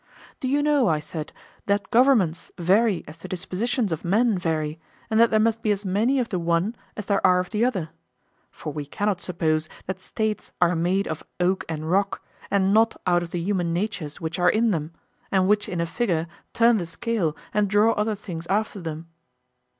Do you know, I said, that governments vary as the dispositions of men vary, and that there must be as many of the one as there are of the other? For we cannot suppose that States are made of 'oak and rock,' and not out of the human natures which are in them, and which in a figure turn the scale and draw other things after them?